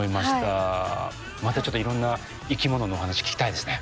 またちょっといろんな生きもののお話聞きたいですね。